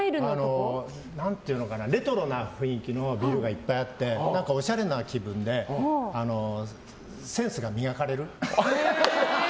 レトロな雰囲気のビルがいっぱいあっておしゃれな気分でセンスが磨かれる。